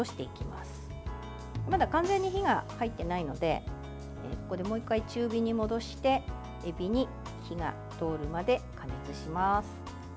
まだ完全に火が入っていないのでここでもう１回、中火に戻してエビに火が通るまで加熱します。